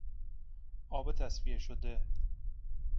آب تصفیه شده